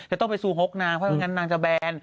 จะต้องไปซูฮกนางเพราะฉะนั้นนางจะแบน